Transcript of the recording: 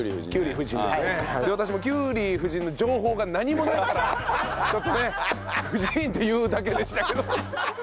私もキュリー夫人の情報が何もないからちょっとね「夫人！」って言うだけでしたけど。